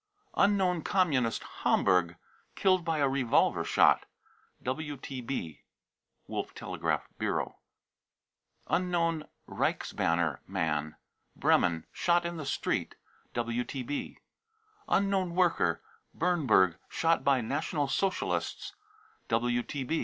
unknown com munist, Homberg, killed by a revolver shot. (WTB.) unknown reighsbanner man, Bremen, shot in the street. {WTB.) unknown worker, Bernburg, shot by National Socialists.